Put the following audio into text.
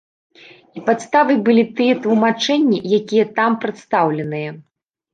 І падставай былі тыя тлумачэнні, якія там прадстаўленыя.